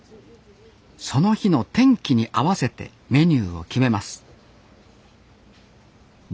その日の天気に合わせてメニューを決めます